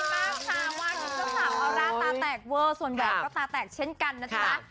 ยินดีมากค่ะว่าเจ้าสาวเอาราดตาแตกเวอร์ส่วนแหวะก็ตาแตกเช่นกันนะครับ